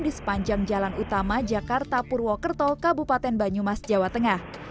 di sepanjang jalan utama jakarta purwokerto kabupaten banyumas jawa tengah